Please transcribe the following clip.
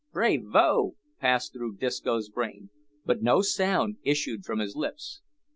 "Brayvo!" passed through Disco's brain, but no sound issued from his lips.